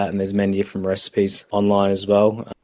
dan ada banyak resep yang berbeda juga di online